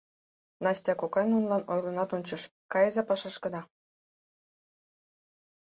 Настя кокай нунылан ойленат ончыш: «Кайыза пашашкыда.